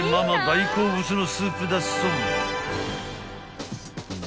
大好物のスープだそう］